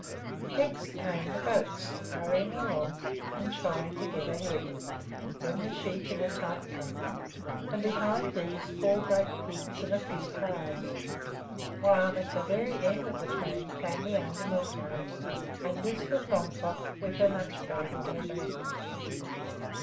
Next came the goats, hurrying along and trying to get ahead; then the sheep in a tight clump; and behind these, four great pigs and a few calves; while at the very end of the train came the under milkmaid, and Lisbeth Longfrock with her lunch bag on her back.